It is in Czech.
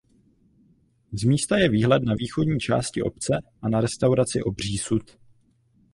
Z místa je výhled na východní části obce a na restauraci Obří sud.